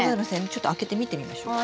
ちょっと開けて見てみましょう。